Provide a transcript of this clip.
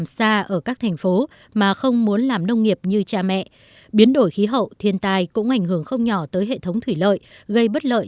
xin chào và hẹn gặp lại